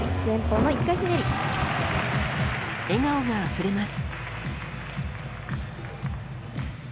笑顔があふれます。